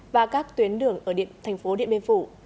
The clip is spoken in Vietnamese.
và các tuyến đường ở thành phố điện biên phủ